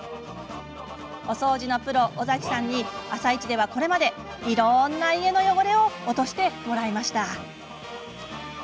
お掃除のプロ、尾崎さんに「あさイチ」ではこれまで、いろんな家の汚れを落としてもらいました。